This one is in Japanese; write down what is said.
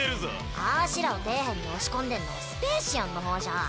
あしらを底辺に押し込んでんのはスペーシアンの方じゃん。